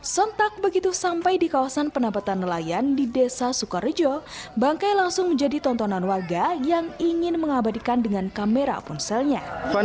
sontak begitu sampai di kawasan penampatan nelayan di desa sukarejo bangkai langsung menjadi tontonan warga yang ingin mengabadikan dengan kamera ponselnya